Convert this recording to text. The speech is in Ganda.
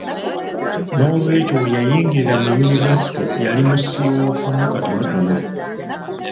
N’olwekyo we yayingirira mu yunivasite yali musiwuufumu katonotono.